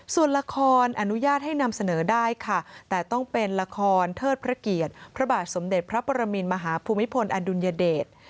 ส่วนละครอนุญาตให้นำเสนอได้ค่ะแต่ต้องเป็นละครเทิดพระเกียรติพระบาทสมเด็จพระปรมินมหาภูมิพลอดุลยเดช